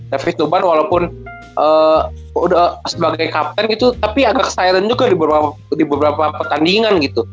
david noban walaupun udah sebagai kapten gitu tapi agak kesiren juga di beberapa pertandingan gitu